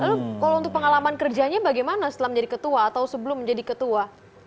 lalu kalau untuk pengalaman kerjanya bagaimana setelah menjadi ketua atau sebelum menjadi ketua